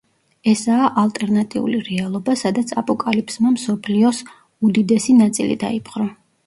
ესაა ალტერნატიული რეალობა, სადაც აპოკალიფსმა მსოფლიოს უდიდესი ნაწილი დაიპყრო.